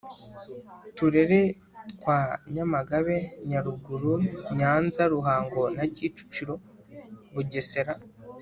Turere twa nyamagabe nyaruguru nyanza ruhango na kicukiro bugesera